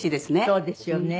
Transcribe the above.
そうですよね。